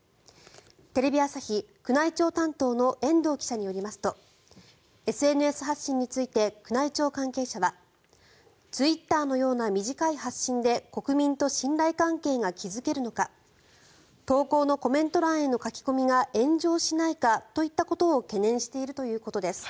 テレビ朝日宮内庁担当の遠藤記者によりますとＳＮＳ発信について宮内庁関係者はツイッターのような短い発信で国民と信頼関係が築けるのか投稿のコメント欄への書き込みが炎上しないかといったことを懸念しているということです。